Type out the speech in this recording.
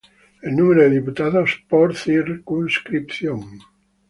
El número de diputados por circunscripción.